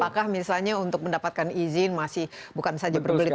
apakah misalnya untuk mendapatkan izin masih bukan saja berbelit